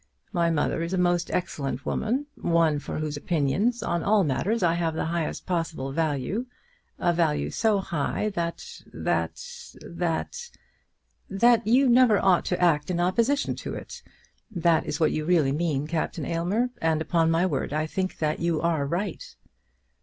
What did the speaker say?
My mother is a most excellent woman, one for whose opinions on all matters I have the highest possible value; a value so high, that that that " "That you never ought to act in opposition to it. That is what you really mean, Captain Aylmer; and upon my word I think that you are right."